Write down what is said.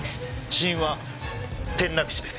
死因は転落死です。